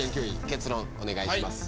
結論お願いします。